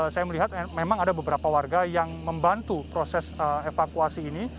saya melihat memang ada beberapa warga yang membantu proses evakuasi ini